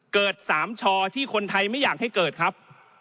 เกิดสามชอที่คนไทยไม่อยากให้เกิดครับ